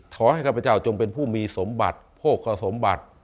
ขอให้ข้าพเจ้าจงเป็นผู้มีสมบัติโภคสมบัติ